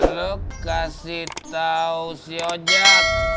lo kasih tau si ojak